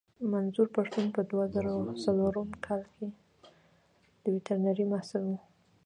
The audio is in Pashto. منظور پښتين په دوه زره څوارلسم کې د ويترنرۍ محصل و.